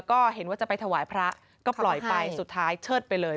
ก็เห็นว่าจะไปถวายพระก็ปล่อยไปสุดท้ายเชิดไปเลย